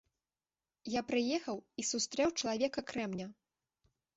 Я прыехаў і сустрэў чалавека-крэмня!